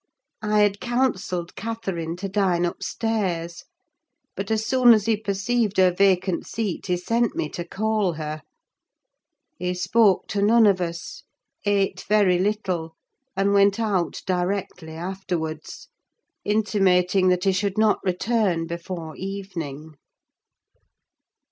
I had counselled Catherine to dine upstairs; but, as soon as he perceived her vacant seat, he sent me to call her. He spoke to none of us, ate very little, and went out directly afterwards, intimating that he should not return before evening.